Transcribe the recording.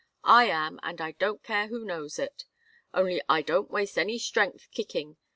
I am, and I don't care who knows it. Only I don't waste any strength kicking.